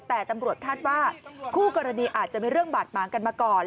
แต่ตำรวจคาดว่าคู่กรณีอาจจะมีเรื่องบาดหมางกันมาก่อน